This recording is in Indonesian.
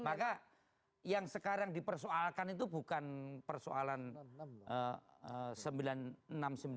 maka yang sekarang dipersoalkan itu bukan persoalan sembilan puluh enam sembilan puluh delapan nya waktu itu